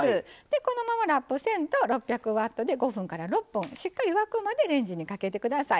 このままラップせんと６００ワットで５６分間しっかり沸くまでレンジにかけてください。